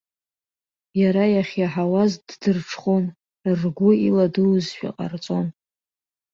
Иара иахьиаҳауаз ддырҽхәон, ргәы иладуузшәа ҟарҵон.